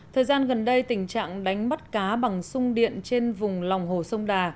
thời gian gần đây tình trạng đánh bắt cá bằng sung điện trên vùng lòng hồ sông đà